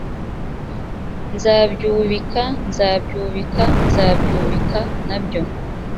nzabyubika nzabyubika nzabyubika na byo